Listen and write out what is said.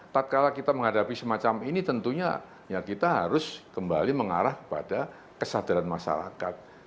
setelah kita menghadapi semacam ini tentunya ya kita harus kembali mengarah kepada kesadaran masyarakat